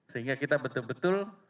sehingga kita betul betul